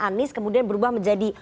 anies kemudian berubah menjadi